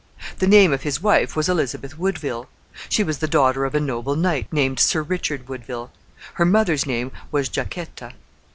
The name of his wife was Elizabeth Woodville. She was the daughter of a noble knight named Sir Richard Woodville. Her mother's name was Jacquetta.